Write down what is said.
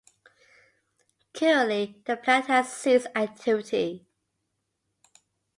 Currently the plant has ceased activity.